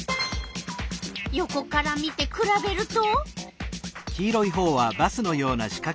横から見てくらべると？